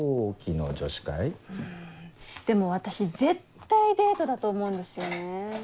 でも私絶対デートだと思うんですよね。